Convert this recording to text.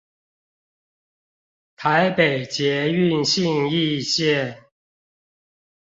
台北捷運信義線